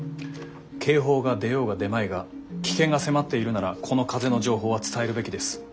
警報が出ようが出まいが危険が迫っているならこの風の情報は伝えるべきです。